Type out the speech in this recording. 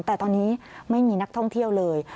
แต่ตอนนี้ไม่มีนักท่องเที่ยวเลย